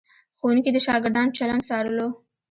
ښوونکي د شاګردانو چلند څارلو.